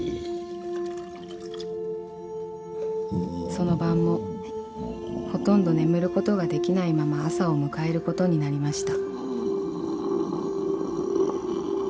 ・［その晩もほとんど眠ることができないまま朝を迎えることになりました］